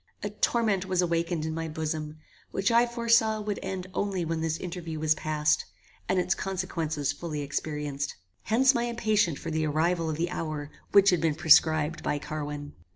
A torment was awakened in my bosom, which I foresaw would end only when this interview was past, and its consequences fully experienced. Hence my impatience for the arrival of the hour which had been prescribed by Carwin.